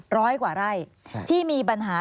ร้อยกว่าไร่ที่มีปัญหา